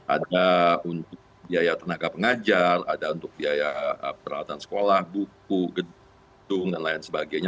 ada untuk biaya tenaga pengajar ada untuk biaya peralatan sekolah buku gedung dan lain sebagainya